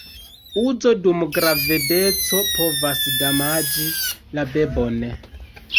Uzo dum gravedeco povas damaĝi la bebon.